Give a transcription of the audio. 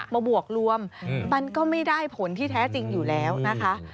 บวกรวมมันก็ไม่ได้ผลที่แท้จริงอยู่แล้วนะคะ